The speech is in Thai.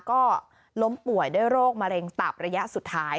ก็ล้มป่วยด้วยโรคมะเร็งตับระยะสุดท้าย